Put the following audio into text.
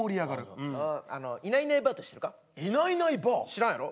知らんやろ？